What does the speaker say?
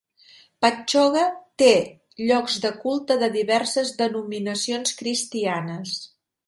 Patchogue té llocs de culte de diverses denominacions cristianes.